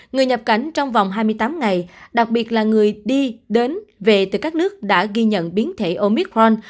người nhập cảnh trong vòng hai mươi tám ngày đặc biệt là người đi đến về từ các nước đã ghi nhận biến thể omitron